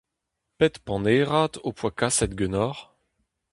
Pet panerad ho poa kaset ganeoc’h ?